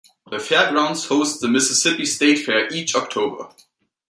The Fairgrounds hosts the Mississippi State Fair each October.